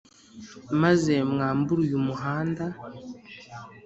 Maze mwambure uyu muhanda